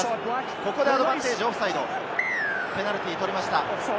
ここでアドバンテージ、ペナルティーを取りました。